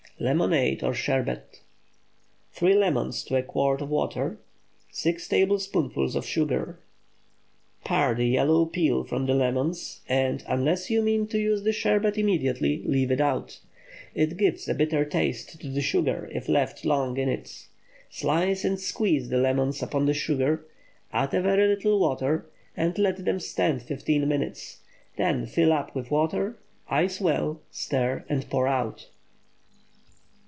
LEMONADE OR SHERBET. 3 lemons to a quart of water. 6 tablespoonfuls of sugar. Pare the yellow peel from the lemons, and, unless you mean to use the Sherbet immediately, leave it out. It gives a bitter taste to the sugar if left long in it. Slice and squeeze the lemons upon the sugar, add a very little water, and let them stand fifteen minutes. Then fill up with water; ice well, stir, and pour out.